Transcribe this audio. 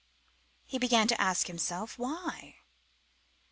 he began to ask himself why.